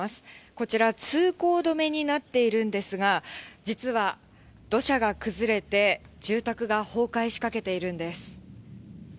こちら、通行止めになっているんですが、実は土砂が崩れて、住宅が崩壊しかけているんです。